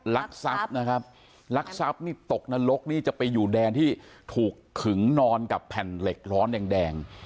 ลักทรัพย์นะครับลักทรัพย์นี่ตกนรกนี่จะไปอยู่แดนที่ถูกขึงนอนกับแผ่นเหล็กร้อนแดง